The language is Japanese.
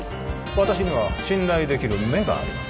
私には信頼できる目があります